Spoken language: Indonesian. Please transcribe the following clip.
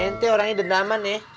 mamanya dendaman ye